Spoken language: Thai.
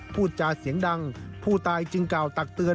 พูดจาเสียงดังผู้ตายจึงกล่าวตักเตือน